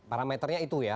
parameternya itu ya